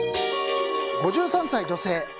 ５３歳女性。